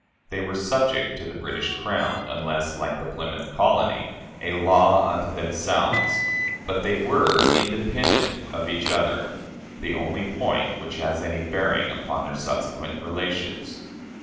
They were subject to the British Crown, unless, like the Plymouth colony, "a law unto themselves," but they were independent of each other the only point which has any bearing upon their subsequent relations.